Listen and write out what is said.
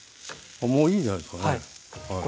もういいんじゃないですかね。